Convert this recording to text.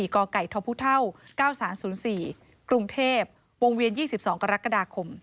กไก่ทพ๙๓๐๔กรุงเทพวงเวียน๒๒กรกฎาคม